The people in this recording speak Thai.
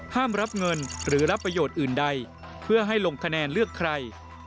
รับเงินหรือรับประโยชน์อื่นใดเพื่อให้ลงคะแนนเลือกใคร